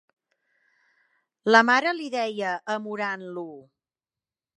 La mare li deia, amorant-lo,...